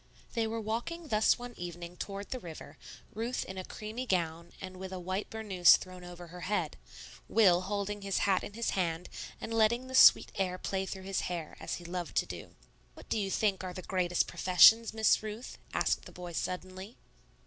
They were walking thus one evening toward the river, Ruth in a creamy gown and with a white burnous thrown over her head, Will holding his hat in his hand and letting the sweet air play through his hair, as he loved to do. "What do you think are the greatest professions, Miss Ruth?" asked the boy suddenly.